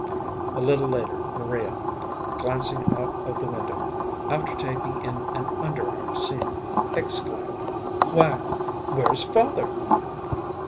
A little later Maria, glancing out of the window, after taking in an under arm seam, exclaimed, "Why, where's father?"